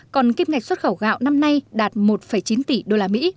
còn kim ngạch xuất khẩu gạo năm nay đạt một chín tỷ usd